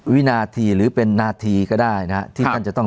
วินาทีหรือเป็นนาทีก็ได้นะที่ท่านจะต้อง